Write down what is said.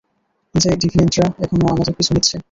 যে ডিভিয়েন্টরা এখনো আমাদের পিছু নিচ্ছে।